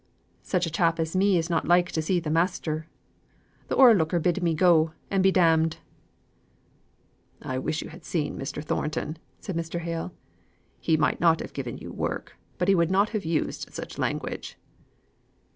"Such a chap as me is not like to see the measter. Th' o'erlooker bid me go and be d d." "I wish you had seen Mr. Thornton," said Mr. Hale. "He might not have given you work, but he would not have used such language."